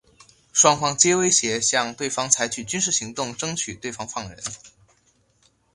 双方皆威胁向对方采取军事行动争取对方放人。